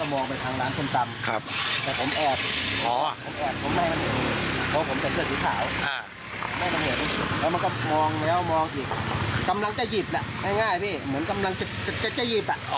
มองแล้วมองอยู่กำลังจะหยิบแล้วง่ายมีเหมือนทำรักจะจะหยิบอ่ะ